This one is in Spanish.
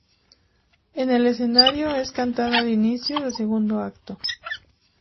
En el escenario es cantada al inicio del segundo acto.